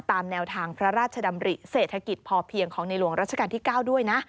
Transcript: ตามแนวทางพระราชดำริเศรษฐกิจพอเพียงของในหลวงรัชกาลที่๙ด้วยนะ